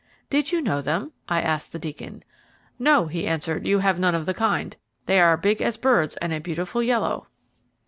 "Did you know them?" I asked the Deacon. "No," he answered. "You have none of the kind. They are big as birds and a beautiful yellow."